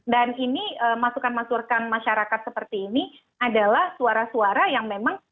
dan ini masukan masurkan masyarakat seperti ini adalah suara suara yang memang